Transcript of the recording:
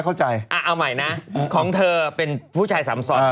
เอาใหม่นะของเธอเป็นผู้ชายสำสรรค์